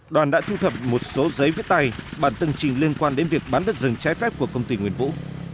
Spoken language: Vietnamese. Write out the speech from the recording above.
đoàn đã thu thập một số giấy viết tay bản từng trình liên quan đến việc bán đất rừng trái phép của công ty nguyên vũ